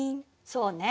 そうね。